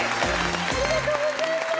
ありがとうございます。